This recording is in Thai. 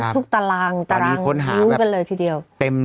ทุกตารางตารางรู้กันเลยทีเดียว